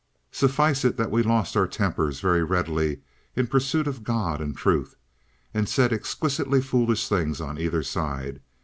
Suffice it that we lost our tempers very readily in pursuit of God and Truth, and said exquisitely foolish things on either side.